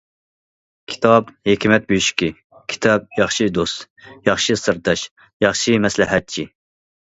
كىتاب ھېكمەت بۆشۈكى، كىتاب ياخشى دوست، ياخشى سىرداش، ياخشى مەسلىھەتچى.